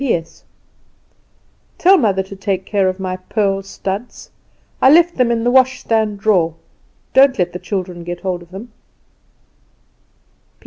"P.S. Tell mother to take care of my pearl studs. I left them in the wash hand stand drawer. Don't let the children get hold of them.